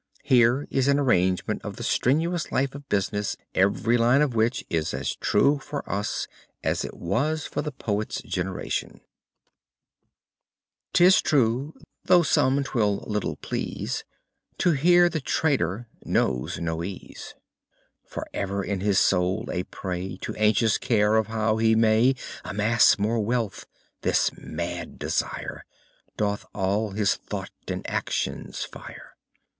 Here is an arraignment of the strenuous life of business every line of which is as true for us as it was for the poet's generation: 'Tis truth (though some 'twill little please) To hear the trader knows no ease; For ever in his soul a prey To anxious care of how he may Amass more wealth: this mad desire Doth all his thought and actions fire.